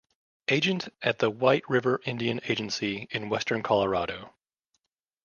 Agent at the White River Indian Agency in western Colorado.